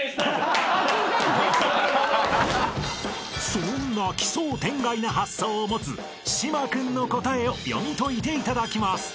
［そんな奇想天外な発想を持つ島君の答えを読み解いていただきます］